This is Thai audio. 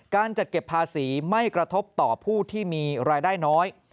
การจัดเก็บภาษีไม่กระทบต่อผู้ที่มีรายได้น้อย